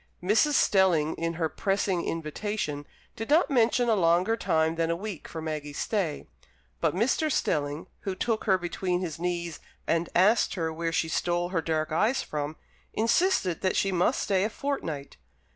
Mrs. Stelling, in her pressing invitation, did not mention a longer time than a week for Maggie's stay; but Mr. Stelling, who took her between his knees, and asked her where she stole her dark eyes from, insisted that she must stay a fortnight.